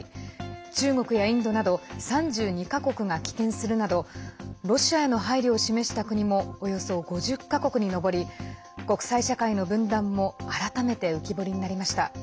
中国やインドなど３２か国が棄権するなどロシアへの配慮を示した国もおよそ５０か国に上り国際社会の分断も改めて浮き彫りになりました。